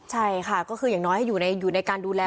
ใช่ค่ะก็คืออย่างน้อยให้อยู่ในการดูแล